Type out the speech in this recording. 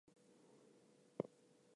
Please hand me the remote.